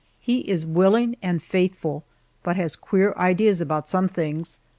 He is willing and faithful, but has queer ideas about some things.